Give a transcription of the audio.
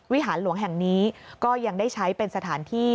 หารหลวงแห่งนี้ก็ยังได้ใช้เป็นสถานที่